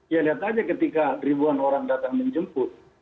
ya lihat aja ketika ribuan orang datang menjemput